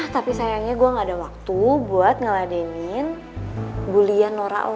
tapi sayangnya gue gak ada waktu buat ngeladenin bulian norawang